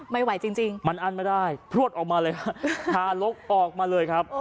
ไม่ไหวจริงจริงมันอั้นไม่ได้พลวดออกมาเลยฮะทารกออกมาเลยครับ